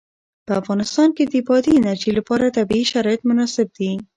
په افغانستان کې د بادي انرژي لپاره طبیعي شرایط مناسب دي.